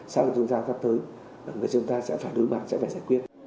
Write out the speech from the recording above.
sau khi chúng ta gặp tới chúng ta sẽ phải đối mặt sẽ phải giải quyết